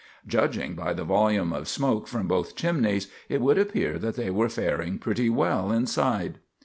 Judging by the volume of smoke from both chimneys, it would appear that they were faring pretty well inside.